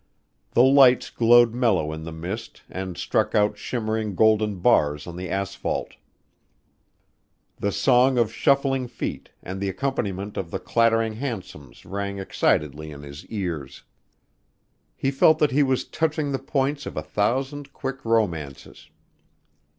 The lights glowed mellow in the mist and struck out shimmering golden bars on the asphalt. The song of shuffling feet and the accompaniment of the clattering hansoms rang excitedly in his ears. He felt that he was touching the points of a thousand quick romances.